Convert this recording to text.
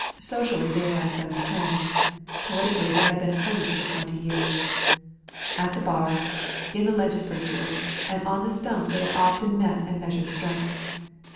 Socially they were on friendly terms; politically they had been opponents for twenty years. At the bar, in the Legislature, and on the stump they had often met and measured strength.